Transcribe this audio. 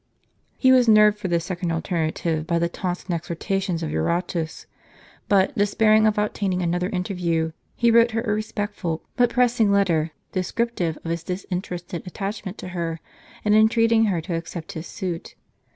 He was nerved for this second alternative by the taunts and exhortations of Eurotas; but, despairing of obtaining another interview, he wrote her a respectful, but pressing letter, descriptive of his disinterested at'tachment to her, and entreating her to accept his suit.